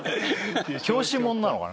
教師もんなのかな？